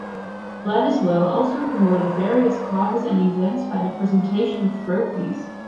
Bledisloe also promoted various causes and events by the presentation of trophies.